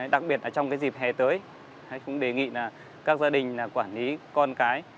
đặc biệt trong dịp hè tới cũng đề nghị các gia đình quản lý con cái